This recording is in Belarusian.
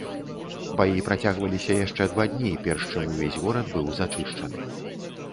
Баі працягваліся яшчэ два дні, перш чым увесь горад быў зачышчаны.